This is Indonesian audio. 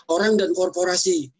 orang dan korporasi